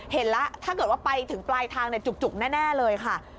เห็นแล้วถ้าเกิดว่าไปถึงปลายทางจุกแน่เลยค่ะ